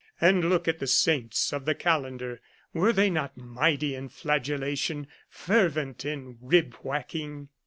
And look at the saints of the calendar, were they not mighty in flagellation, fervent in rib whacking?